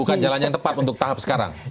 bukan jalan yang tepat untuk tahap sekarang